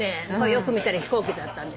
よく見たら飛行機だったんです。